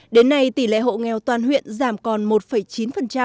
đến nay tỷ lệ hộ nghèo toàn huyện giảm còn một chín